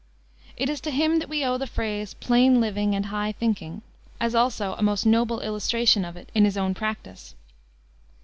It is to him that we owe the phrase "plain living and high thinking," as also a most noble illustration of it in his own practice.